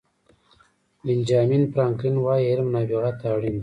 بینجامین فرانکلن وایي علم نابغه ته اړین دی.